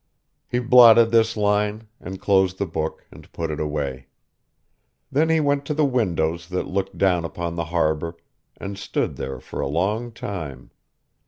He blotted this line, and closed the book, and put it away. Then he went to the windows that looked down upon the Harbor, and stood there for a long time.